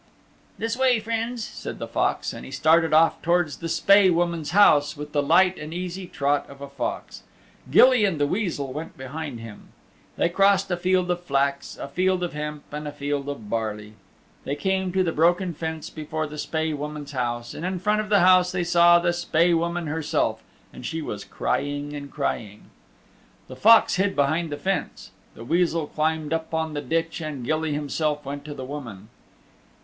"This way, friends," said the Fox, and he started off towards the Spae Woman's house with the light and easy trot of a fox. Gilly and the Weasel went behind him. They crossed a field of flax, a field of hemp and a field of barley. They came to the broken fence before the Spae Woman's house, and in front of the house they saw the Spae Woman herself and she was crying and crying. The Fox hid behind the fence, the Weasel climbed up on the ditch and Gilly himself went to the woman.